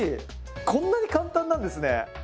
こんなに簡単なんですね。